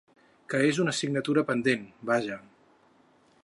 Que és una assignatura pendent, vaja.